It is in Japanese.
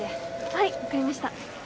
はい分かりました。